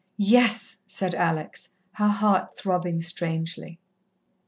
"Yes," said Alex, her heart throbbing strangely.